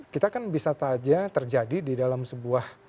kita kan bisa saja terjadi di dalam sebuah